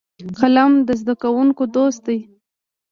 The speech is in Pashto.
قلم د زده کوونکو دوست دی